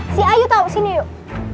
si ayu tahu sini yuk